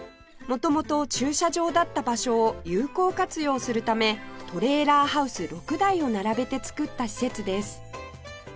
元々駐車場だった場所を有効活用するためトレーラーハウス６台を並べて作った施設です